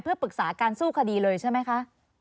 ปรึกษาการสู้คดีเลยใช่ไหมคะ